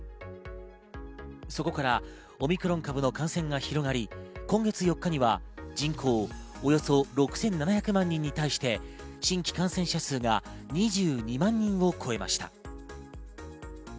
そこからオミクロン株の感染が広がり、今月４日には人口およそ６７００万人に対して、新規感染者数が２２万人を超えました。